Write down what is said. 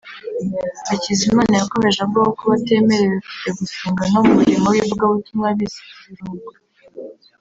Hakizimana yakomeje avuga ko kuba batemerewe kujya gusenga no mu murimo w’ivugabutumwa bisize ibirungo